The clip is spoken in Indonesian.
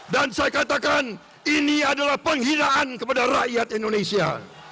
dan saya katakan ini adalah penghinaan kepada rakyat indonesia